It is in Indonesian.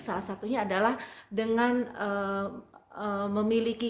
salah satunya adalah dengan memiliki